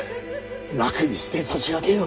楽にしてさしあげよ。